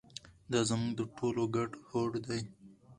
دا زموږ د ټولو ګډ هوډ دی.